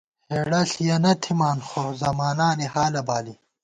ہېڑہ ݪِیَنہ تھِمان، خو زمانانی حالہ بالی